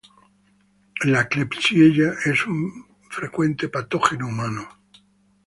La "klebsiella" es un frecuente patógeno humano.